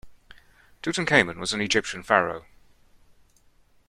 Tutankhamen was an Egyptian pharaoh.